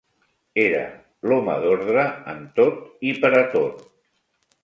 Era l'home d'ordre en tot i pera tot